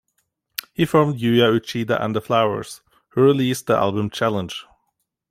He formed Yuya Uchida and The Flowers who released the album Challenge!